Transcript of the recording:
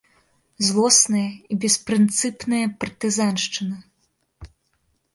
Злосная і беспрынцыпная партызаншчына!